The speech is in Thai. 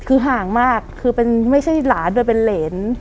คือห่างมากคือไม่ใช่หลานโดยเป็นเหรน